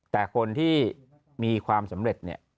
แต่คนที่มีความสำเร็จเนี่ย